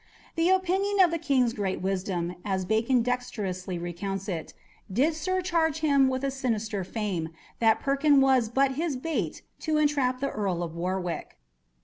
"The opinion of the King's great wisdom," as Bacon dexterously recounts it, "did surcharge him with a sinister fame, that Perkin was but his bait to entrap the Earl of Warwick."